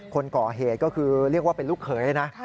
คนก่อเหตุก็คือเรียกว่าเป็นลูกเขยเลยนะ